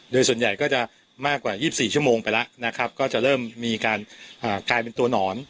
โดยส่วนใหญ่ก็จะมากกว่า๒๔ชั่วโมงไปแล้วนะครับก็จะเริ่มมีการกลายเป็นตัวหนอน